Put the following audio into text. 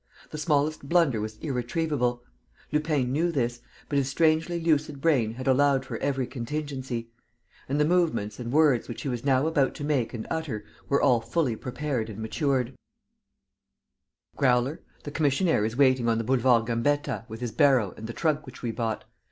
The smallest blunder was irretrievable. Lupin knew this; but his strangely lucid brain had allowed for every contingency. And the movements and words which he was now about to make and utter were all fully prepared and matured: "Growler, the commissionaire is waiting on the Boulevard Gambetta with his barrow and the trunk which we bought.